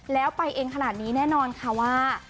แล้วไปเองขนาดนี้แน่นอนค่ะว่า